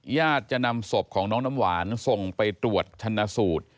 ญาติจะนำศพของน้องน้ำหวานส่งไปตรวจชนะสูตร